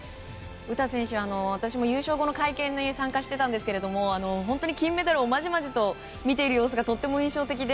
詩選手は私も優勝後の会見に参加してたんですけど本当に金メダルを、まじまじと見ている様子がとても印象的で。